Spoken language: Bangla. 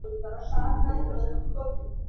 শরীরে একটা ভাব আইছে না, হ্যাঁ?